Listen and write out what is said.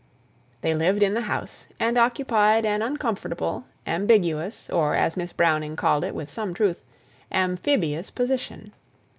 They lived in the house, and occupied an uncomfortable, ambiguous, or, as Miss Browning called it with some truth, "amphibious" position.